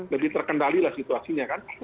lebih terkendali lah situasinya kan